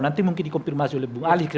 nanti mungkin dikonfirmasi oleh bung ali